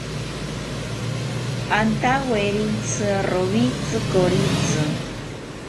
Antawerintzi rowitzi koritzi